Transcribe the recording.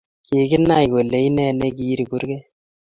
Kikinai kole iye ne kiiri kurget